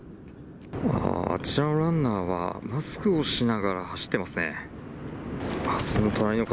あちらのランナーはマスクをしながら走ってますね。